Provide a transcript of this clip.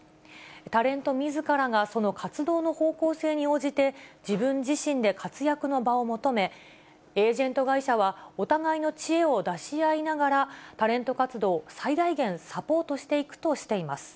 タレントみずからがその活動の方向性に応じて、自分自身で活躍の場を求め、エージェント会社は、お互いの知恵を出し合いながら、タレント活動を最大限サポートしていくとしています。